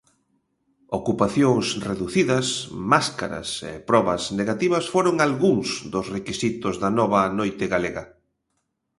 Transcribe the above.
Ocupacións reducidas, máscaras e probas negativas foron algúns dos requisitos da nova noite galega.